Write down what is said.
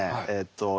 えっと